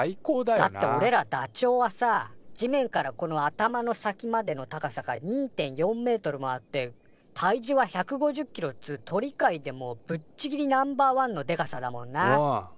だっておれらダチョウはさ地面からこの頭の先までの高さが２．４メートルもあって体重は１５０キロっつう鳥界でもぶっちぎりナンバーワンのでかさだもんな。